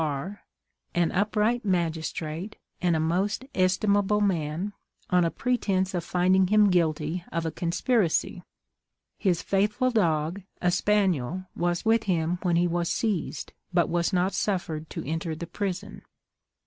R , an upright magistrate and a most estimable man, on a pretence of finding him guilty of a conspiracy. His faithful dog, a spaniel, was with him when he was seized, but was not suffered to enter the prison.